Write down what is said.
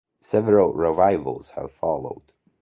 Several revivals have followed.